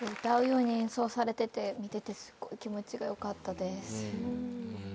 歌うように演奏されてて見ててすごい気持ちが良かったです。